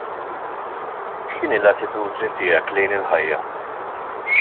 X'inhi l-attitudni tiegħek lejn il-ħajja?